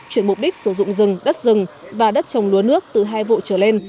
chuyển mục đích sử dụng rừng đất rừng và đất trồng lúa nước từ hai vụ trở lên